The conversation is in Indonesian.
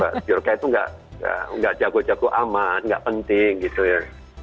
biorka itu nggak jago jago aman nggak penting gitu ya